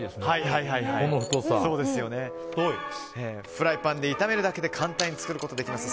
フライパンで炒めることで簡単に作ることができます。